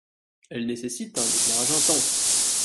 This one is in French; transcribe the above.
Elle nécessite un éclairage intense.